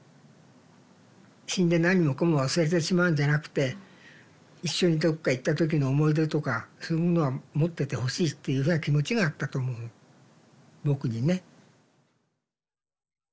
死んで何もかも忘れてしまうんじゃなくて一緒にどっか行った時の思い出とかそういうものは持っててほしいっていうような気持ちがあったと思うの「ぼく」にね。